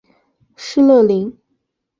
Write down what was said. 施乐灵。